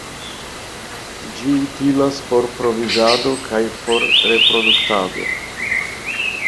Ĝi utilas por provizado kaj por reproduktado.